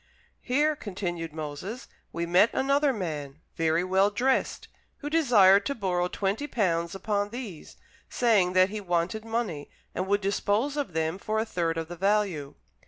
"Here," continued Moses, "we met another man, very well dressed, who desired to borrow twenty pounds upon these, saying that he wanted money and would dispose of them for a third of the value.